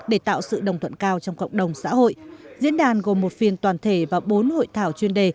để tạo sự đồng thuận cao trong cộng đồng xã hội